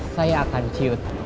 saya akan ciut